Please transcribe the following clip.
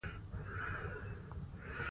بزګان د افغانستان د سیلګرۍ برخه ده.